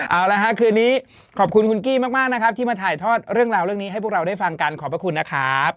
เอาละครับคืนนี้ขอบคุณคุณกี้มากนะครับที่มาถ่ายทอดเรื่องราวเรื่องนี้ให้พวกเราได้ฟังกันขอบพระคุณนะครับ